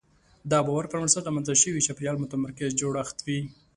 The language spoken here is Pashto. د باور پر بنسټ رامنځته شوی چاپېریال متمرکز جوړښت وي.